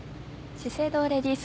資生堂レディス